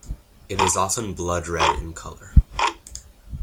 It is often blood-red in colour.